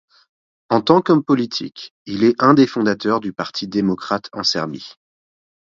En tant qu'homme politique, il est un des fondateurs du Parti démocrate en Serbie.